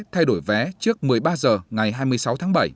thay đổi vé trước một mươi ba h ngày hai mươi sáu tháng bảy